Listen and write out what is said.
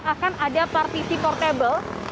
akan ada partisi portable